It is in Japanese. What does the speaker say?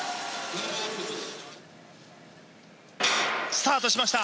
スタートしました。